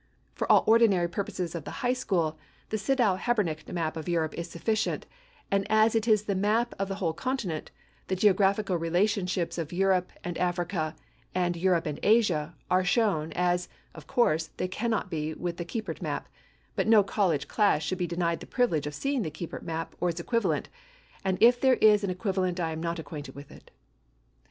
For all ordinary purposes of the high school, the Sydow Habenicht map of Europe is sufficient, and as it is the map of the whole continent, the geographical relationships of Europe and Africa and Europe and Asia are shown, as, of course, they cannot be with the Kiepert map, but no college class should be denied the privilege of seeing the Kiepert map or its equivalent, and if there is an equivalent I am not acquainted with it.